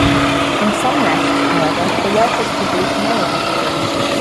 In some nests, however, the workers produce male offspring.